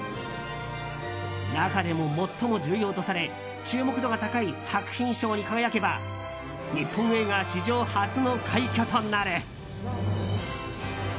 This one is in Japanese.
中でも、最も重要とされ注目度が高い作品賞に輝けば日本映画史上初の快挙となる。